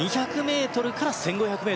２００ｍから１５００ｍまで。